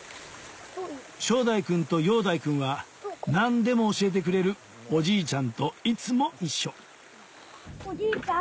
照大くんと陽大くんは何でも教えてくれるおじいちゃんといつも一緒おじいちゃん。